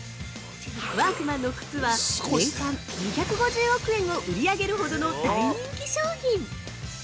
ワークマンの靴は年間２５０億円を売り上げるほどの大人気商品！